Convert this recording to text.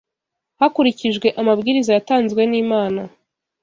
hakurikijwe amabwiriza yatanzwe n’Imana